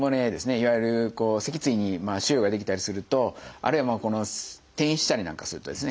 いわゆるこう脊椎に腫瘍が出来たりするとあるいは転移したりなんかするとですね